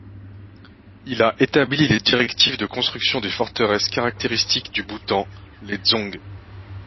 Il a établi les directives de construction des forteresses caractéristiques du Bhoutan, les dzongs.